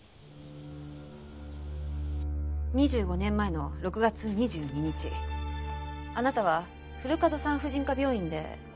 ２５年前の６月２２日あなたは古門産婦人科病院で男の子を出産しましたね。